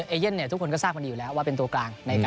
เอเย่นทุกคนก็ทราบว่าเป็นตัวกลาง